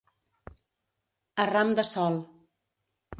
A ram de sol.